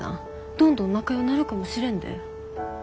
どんどん仲良うなるかもしれんで。